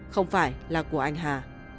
không phải là của anh hà